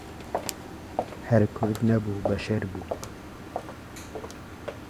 هەر کورد نەبوو بەشەر بوو